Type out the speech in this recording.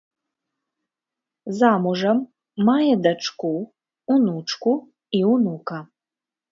Замужам, мае дачку, унучку і ўнука.